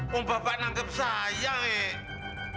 mumpah pak nangkep saya nek